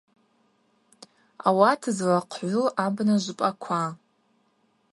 Ауат злахъгӏву абна жвпӏаква.